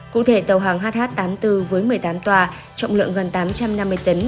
cụ thể tàu hàng hh tám mươi bốn với một mươi tám toa trọng lượng gần tám trăm năm mươi tấn